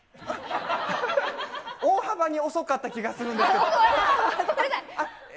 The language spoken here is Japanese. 大幅に遅かった気がするんですけど。